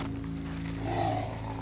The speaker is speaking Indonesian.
jangan pake sesi ini